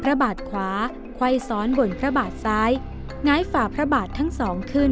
พระบาทขวาไขว้ซ้อนบนพระบาทซ้ายง้ายฝ่าพระบาททั้งสองขึ้น